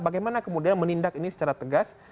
bagaimana kemudian menindak ini secara tegas